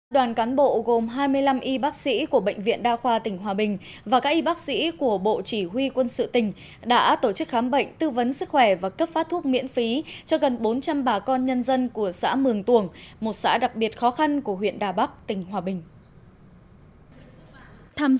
đoàn cán bộ gồm hai mươi năm y bác sĩ của bệnh viện đa khoa tỉnh hòa bình và các y bác sĩ của bộ chỉ huy quân sự tỉnh đã tổ chức khám bệnh tư vấn sức khỏe và cấp phát thuốc miễn phí cho gần bốn trăm linh bà con nhân dân của xã mường tuồng một xã đặc biệt khó khăn của huyện đà bắc tỉnh hòa bình